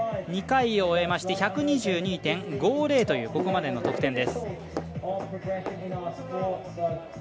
２回を終えまして１２２．５０というここまでの得点です。